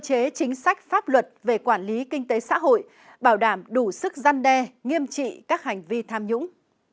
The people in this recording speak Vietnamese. cơ chế chính sách pháp luật về quản lý kinh tế xã hội bảo đảm đủ sức gian đe nghiêm trị các hành vi tham nhũng